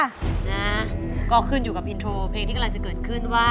นะก็ขึ้นอยู่กับอินโทรเพลงที่กำลังจะเกิดขึ้นว่า